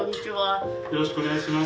よろしくお願いします。